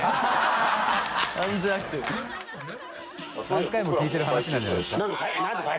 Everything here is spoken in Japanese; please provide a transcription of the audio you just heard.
何回も聞いてる話なんじゃないですか？